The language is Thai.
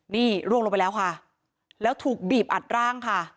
นี่ร่วงลงไปแล้วค่ะแล้วถูกบีบอัดร่างค่ะ